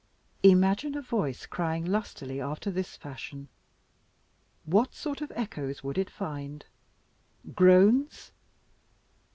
Imagine a voice crying lustily after this fashion what sort of echoes would it find? Groans?